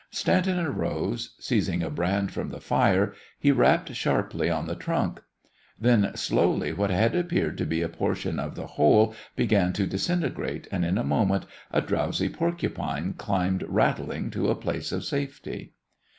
Stanton arose. Seizing a brand from the fire, he rapped sharply on the trunk. Then slowly what had appeared to be a portion of the hole began to disintegrate, and in a moment a drowsy porcupine climbed rattling to a place of safety.